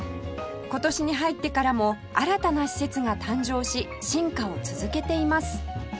今年に入ってからも新たな施設が誕生し進化を続けています